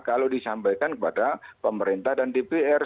kalau disampaikan kepada pemerintah dan dpr